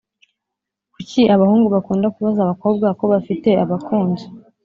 Kuki abahungu bakunda kubaza abakobwa ko bafite abakunzi